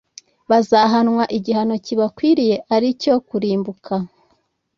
bazahanwa igihano kibakwiriye ari cyo kurimbuka